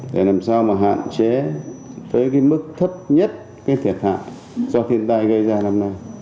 để làm sao mà hạn chế tới cái mức thấp nhất cái thiệt hại do thiên tai gây ra năm nay